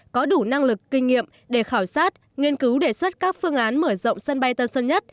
có đủ năng lực kinh nghiệm để khảo sát nghiên cứu đề xuất các phương án mở rộng sân bay tân sơn nhất